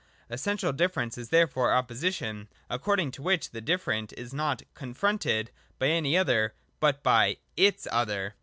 Essential difference is there fore Opposition ; according to which the different is not confronted by any other but by its other.